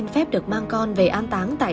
nó của nó gì